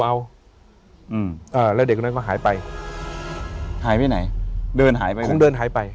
เอาแล้วเด็กคนนั้นก็หายไปหายไปไหนเดินหายไปคงเดินหายไป